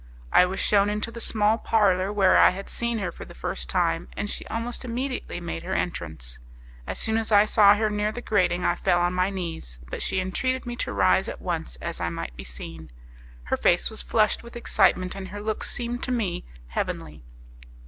I was shewn into the small parlour where I had seen her for the first time, and she almost immediately made her entrance. As soon as I saw her near the grating I fell on my knees, but she entreated me to rise at once as I might be seen. Her face was flushed with excitement, and her looks seemed to me heavenly.